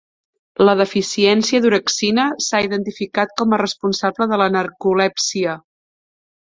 La deficiència d'orexina s'ha identificat com a responsable de la narcolèpsia.